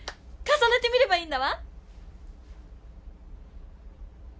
かさねてみればいいんだわ！